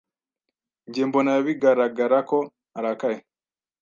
Njye mbona bigaragara ko arakaye.